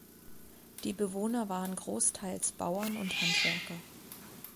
Die Bewohner waren großteils Bauern und Handwerker.